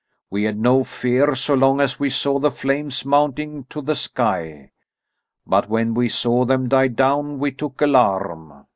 "We had no fear so long as we saw the flames mounting to the sky, but when we saw them die down we took alarm.